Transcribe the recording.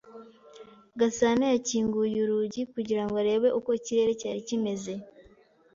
Gasanayakinguye urugi kugirango arebe uko ikirere cyari kimeze.